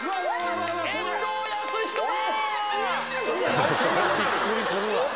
遠藤保仁だ！